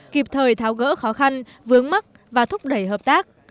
kịp thời tháo gỡ khó khăn vướng mắt và thúc đẩy hợp tác